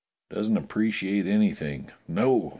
Doesn't appreciate any thing. No!